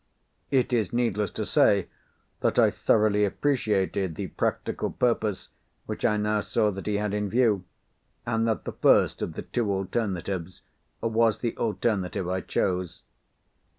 It is needless to say that I thoroughly appreciated the practical purpose which I now saw that he had in view, and that the first of the two alternatives was the alternative I chose.